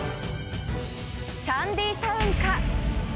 シャンディタウンか？